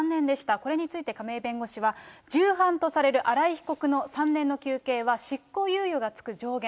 これについて、亀井弁護士は、従犯とされる新井被告の３年の求刑は執行猶予が付く上限。